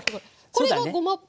これがごま。